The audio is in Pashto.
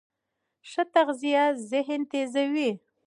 ښه تغذیه ذهن تېزوي.